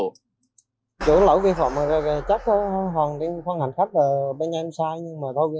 ngoài lỗi vi phạm này lực lượng chức năng còn phát hiện nhiều phương tiện đóng trả khách không đúng tuyến chạy quá tốc độ